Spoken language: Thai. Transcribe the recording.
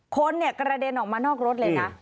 คนเนี่ยกระเด็นออกมานอกรถเลยนะ